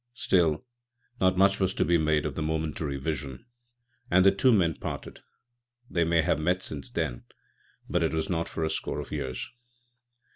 Still, not much was to be made of the momentary vision, and the two men parted. They may have met since then, but it was not for a score of years.